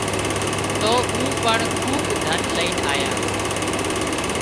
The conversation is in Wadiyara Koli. تو او پڻ کوٻ ڌن لائينَ آيا